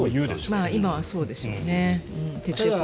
今はそうでしょうね。